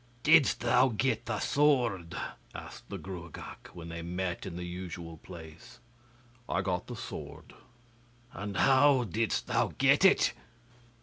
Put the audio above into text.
'Didst thou get the sword?' asked the Gruagach, when they met in the usual place. 'I got the sword.' 'And how didst thou get it?